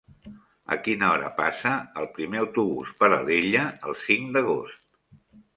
A quina hora passa el primer autobús per Alella el cinc d'agost?